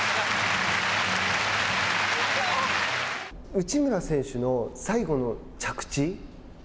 内村選手の最後の着地？